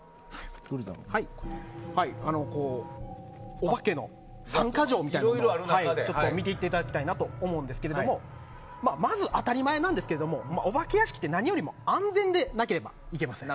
お化けの３か条みたいなものを見ていただきたいと思うんですがまず当たり前なんですがお化け屋敷って何よりも安全じゃなきゃいけません。